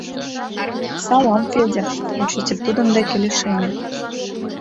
— Салам, Федя, — учитель тудын деке лишеме.